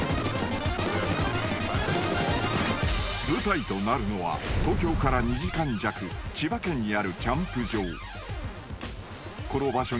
［舞台となるのは東京から２時間弱千葉県にあるキャンプ場］